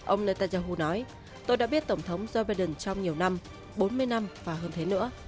ông netanyahu nói tôi đã biết tổng thống joe biden trong nhiều năm bốn mươi năm và hơn thế nữa